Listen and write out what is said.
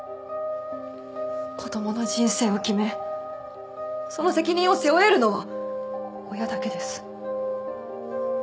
子供の人生を決めその責任を背負えるのは親だけです。